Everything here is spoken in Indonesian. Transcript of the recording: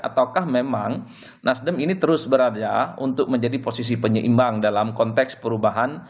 ataukah memang nasdem ini terus berada untuk menjadi posisi penyeimbang dalam konteks perubahan